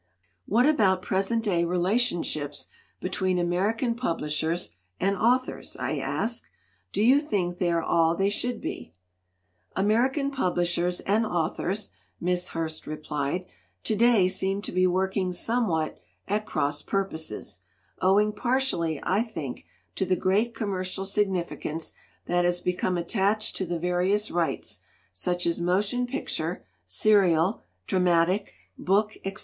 "What about present day relationship between American publishers and authors?" I asked. "Do you think they are all they should be?" "American publishers and authors," Miss Hurst replied, "to day seem to be working somewhat at cross purposes, owing partially, I think, to the great commercial significance that has become attached to the various rights, such as motion 243 LITERATURE IN THE MAKING picture, serial, dramatic, book, etc.